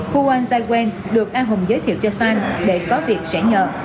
hu huy sai quen được a hùng giới thiệu cho san để có việc sẻ nhợ